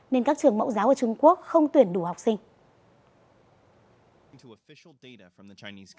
nên các trường mẫu giáo ở trung quốc không tuyển đủ học sinh